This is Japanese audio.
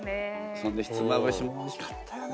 そんでひつまぶしもおいしかったよね！